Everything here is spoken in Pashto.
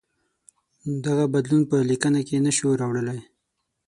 دغه بدلون په لیکنه کې نه شو راوړلای.